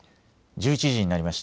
１１時になりました。